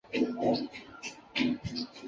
汉景帝时一度改称中大夫令。